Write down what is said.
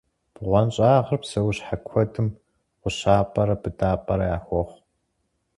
БгъуэнщӀагъхэр псэущхьэ куэдым гъущапӀэрэ быдапӀэрэ яхуохъу.